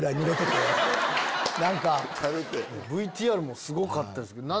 ＶＴＲもすごかったですけど。